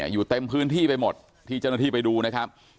อยู่เต็มพื้นที่ไปหมดที่เจ้าหน้าที่ไปดูนะครับ